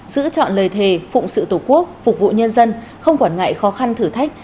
giữ chọn lời thề phụng sự tổ quốc phục vụ nhân dân không quản ngại khó khăn thử thách